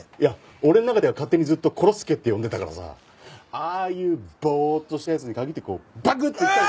俺の中では勝手にずっとコロ助って呼んでたからさああいうボーッとした奴に限ってバクッといったり。